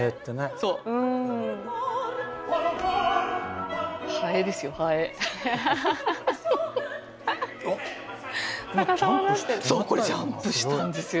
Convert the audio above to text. そうこれジャンプしたんですよ。